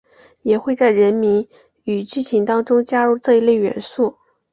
也会在人名与剧情当中加入这一类元素。